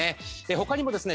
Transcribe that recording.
他にもですね